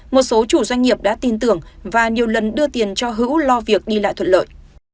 một số chủ doanh nghiệp đã tin tưởng và nhiều lần đưa tiền cho hữu lo việc đi lại thuận lợi